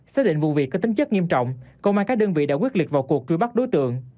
xác định vụ việc có tính chất nghiêm trọng công an các đơn vị đã quyết liệt vào cuộc truy bắt đối tượng